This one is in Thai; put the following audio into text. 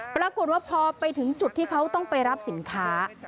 ปรากฏว่าพอไปถึงจุดที่เขาต้องไปรับสินค้า